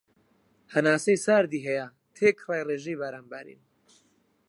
هەناسەی ساردی هەیە تێکرای رێژەی باران بارین